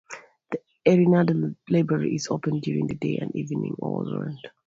The Erindale Library is open during the day and evening all year round.